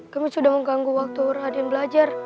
kami sudah mengganggu waktu raden belajar